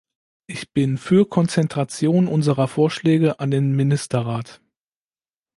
Ich bin für Konzentration unserer Vorschläge an den Ministerrat.